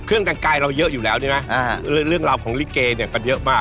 เครื่องแต่งกายเราเยอะอยู่แล้วนี่ไหมเรื่องราวของลิเกเนี่ยเป็นเยอะมาก